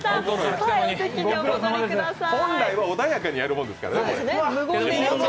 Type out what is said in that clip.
本来は穏やかにやるものですからね。